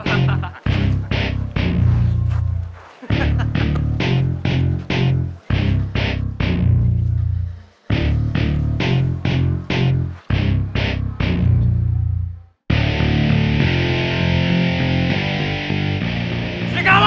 maksudnya yang paling baik adalah lo